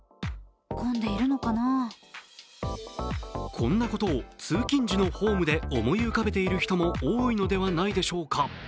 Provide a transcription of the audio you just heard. こんなことを通勤時のホームで思い浮かべている人も多いのではないでしょうか。